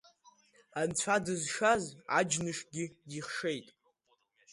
Анцәа дызшаз, аџьнышгьы дихшеит.